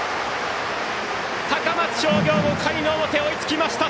高松商業も５回の表追いつきました！